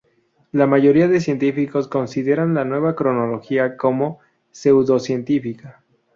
La mayoría de científicos consideran la nueva cronología como pseudocientífica.